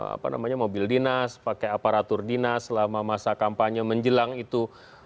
apa namanya mobil dinas pakai aparatur dinas selama masa kampanye menjelang itu